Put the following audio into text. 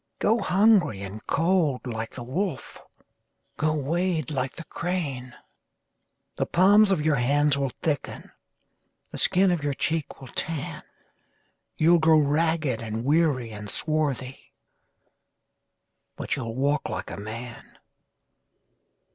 Go hungry and cold like the wolf, Go wade like the crane:The palms of your hands will thicken, The skin of your cheek will tan, You 'll grow ragged and weary and swarthy, But you 'll walk like a man!